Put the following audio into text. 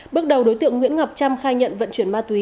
bước đầu đối tượng nguyễn ngọc trâm khai nhận vận chuyển ma túy